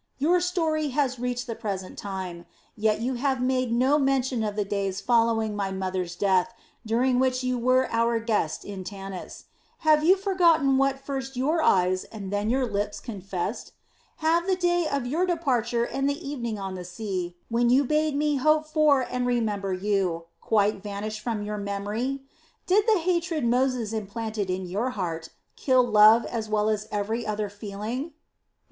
Your story has reached the present time, yet you have made no mention of the days following my mother's death, during which you were our guest in Tanis. Have you forgotten what first your eyes and then your lips confessed? Have the day of your departure and the evening on the sea, when you bade me hope for and remember you, quite vanished from your memory? Did the hatred Moses implanted in your heart kill love as well as every other feeling?"